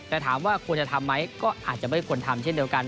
แต่ถามว่าควรจะทำไหมก็อาจจะไม่ควรทำเช่นเดียวกัน